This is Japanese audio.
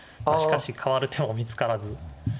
しかしかわる手も見つからず。